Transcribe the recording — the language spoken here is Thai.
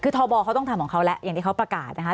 คือทบเขาต้องทำของเขาแล้วอย่างที่เขาประกาศนะคะ